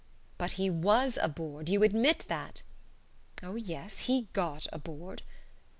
"But he was aboard. You admit that." "Oh yes, he got aboard."